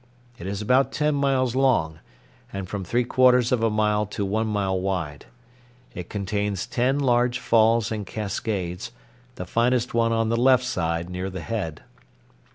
It is about ten miles long, and from three quarters of a mile to one mile wide. It contains ten large falls and cascades, the finest one on the left side near the head.